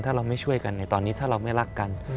ถ้าเราไม่ช่วยกันในตอนนี้ถ้าเราไม่รักกัน